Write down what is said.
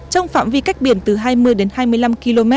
trong phạm vi cách biển từ hai mươi đến hai mươi năm km